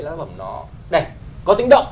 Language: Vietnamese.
là tác phẩm nó đẹp có tính động